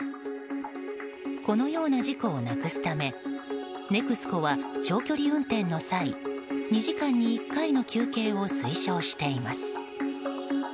このような事故をなくすためＮＥＸＣＯは長距離運転の際、２時間に１回の休憩を推奨しています。